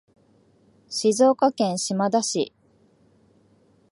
静岡県島田市